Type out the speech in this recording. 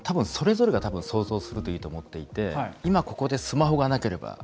それぞれが想像するといいと思っていて今、ここでスマホがなければ。